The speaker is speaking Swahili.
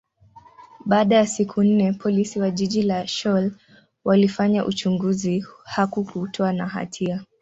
baada ya siku nne, Polisi wa jiji la Seoul walifanya uchunguzi, hakukutwa na hatia.